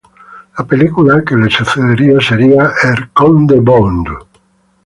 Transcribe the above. La película que la sucedería seria "Er Conde Bond".